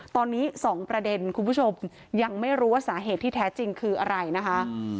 ตอนนี้๒ประเด็นคุณผู้ชมยังไม่รู้ว่าสาเหตุที่แท้จริงคืออะไรนะคะ